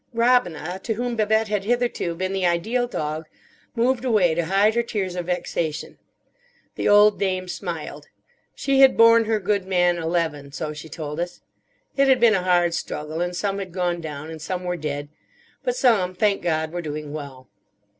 Robina, to whom Babette had hitherto been the ideal dog, moved away to hide her tears of vexation. The old dame smiled. She had borne her good man eleven, so she told us. It had been a hard struggle, and some had gone down, and some were dead; but some, thank God, were doing well.